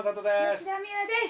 吉田美和です。